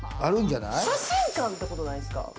写真館ってことないですか？